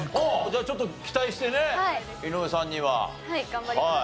じゃあちょっと期待してね井上さんには。はい頑張ります。